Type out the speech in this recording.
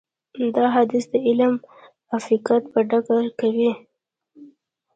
دا حديث د علم افاقيت په ډاګه کوي.